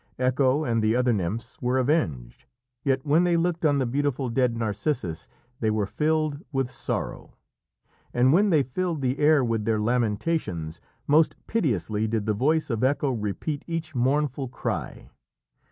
Echo and the other nymphs were avenged, yet when they looked on the beautiful dead Narcissus, they were filled with sorrow, and when they filled the air with their lamentations, most piteously did the voice of Echo repeat each mournful cry.